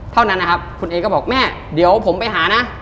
เท่านั้นคุณเอกก็บอกแม่ผมไปหานะ